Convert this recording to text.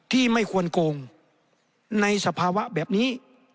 ไม่ควรโกงในสภาวะแบบนี้